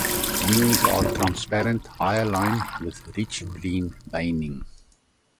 Wings are transparent (hyaline) with rich green veining.